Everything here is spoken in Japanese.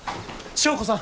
祥子さん！